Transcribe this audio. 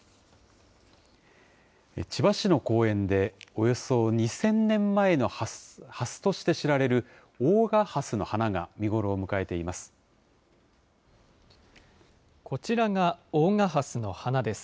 千葉市の公園で、およそ２０００年前のハスとして知られる、大賀ハスの花が見頃を迎えています。